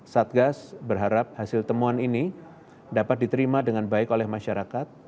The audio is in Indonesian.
satgas berharap hasil temuan ini dapat diterima dengan baik oleh masyarakat